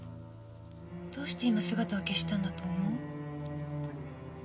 どうして今姿を消したんだと思う？